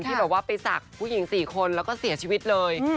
ที่แบบว่าไปศักดิ์ผู้หญิง๔คนแล้วก็เสียชีวิตเลย